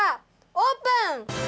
オープン！